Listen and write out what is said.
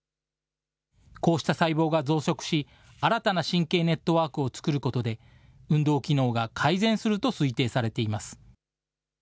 こうした細胞が増殖し、新たな神経ネットワークを作ることで、運動機能が改善すると推定されています。